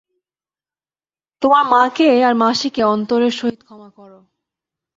তোমার মাকে আর মাসিকে অন্তরের সহিত ক্ষমা করো।